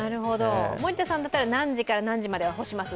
森田さんだったら何時から何時まで干します？